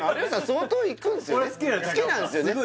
相当行くんすよね